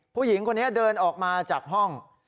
ผู้หญิงคนนี้เดินออกมาจากห้อง